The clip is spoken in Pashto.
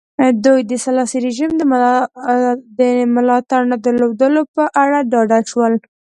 دوی د سلاسي رژیم د ملاتړ نه درلودلو په اړه ډاډه شول.